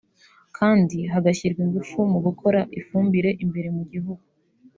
kandi hagashyirwa ingufu mu gukorera ifumbire imbere mu gihugu